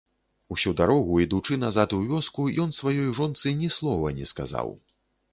Усю дарогу, ідучы назад у вёску, ён сваёй жонцы ні слова не сказаў.